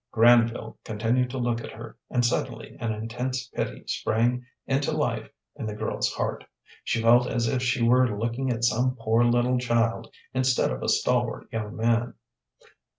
Granville continued to look at her, and suddenly an intense pity sprang into life in the girl's heart. She felt as if she were looking at some poor little child, instead of a stalwart young man.